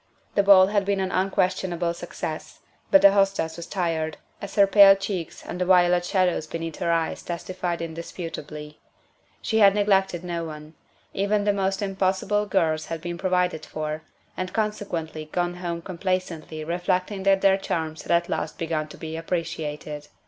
The ball had been an unquestionable success, but the hostess was tired, as her pale cheeks and the violet shadows beneath her eyes testified indisputably. She had neglected no one; even the most impossible girls had been provided for, and consequently gone home complacently reflecting that their charms had at last begun to be appreciated.